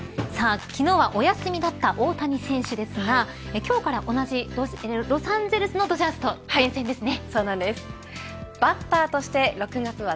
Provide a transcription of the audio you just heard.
昨日はお休みだった大谷選手ですが今日から、同じロサンゼルスのドジャースと対戦ですね。